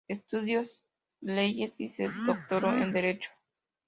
Estudió Leyes y se doctoró en Derecho.